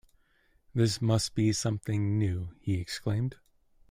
"This must be something new," he exclaimed.